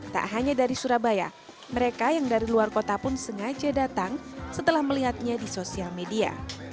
tak hanya dari surabaya mereka yang dari luar kota pun sengaja datang setelah melihatnya di sosial media